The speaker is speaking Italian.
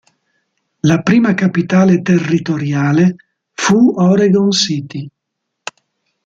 La prima capitale territoriale fu Oregon City.